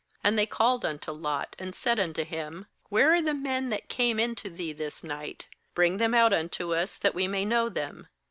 6And they called unto Lot, and said unto him: 'Where are the men that came in to thee this night? bring them out unto us, that we may know them.'